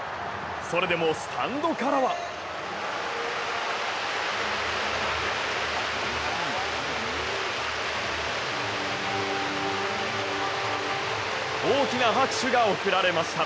それでもスタンドからは大きな拍手が贈られました。